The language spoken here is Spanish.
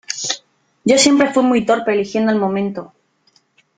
yo siempre fui muy torpe eligiendo el momento .